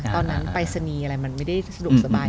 ตอนนั้นไปสนีอะไรมันไม่ได้สะดวกสบาย